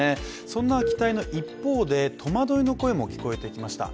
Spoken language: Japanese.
そんな期待の一方で、戸惑いの声も聞えてきました。